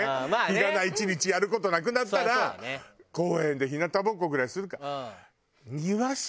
日がな１日やる事なくなったら公園で日なたぼっこぐらいするか。